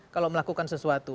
kalau melakukan sesuatu